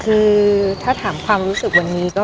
คือถ้าถามความรู้สึกวันนี้ก็